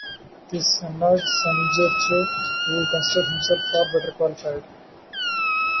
This annoyed Sanjurjo, who considered himself far better qualified.